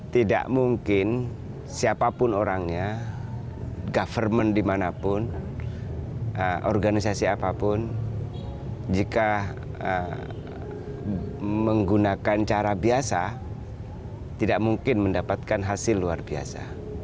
tidak mungkin siapapun orangnya government dimanapun organisasi apapun jika menggunakan cara biasa tidak mungkin mendapatkan hasil luar biasa